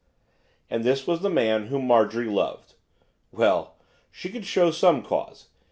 And this was the man whom Marjorie loved. Well, she could show some cause.